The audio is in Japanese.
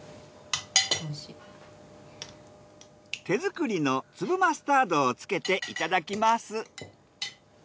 手作りの粒マスタードをつけていただきます。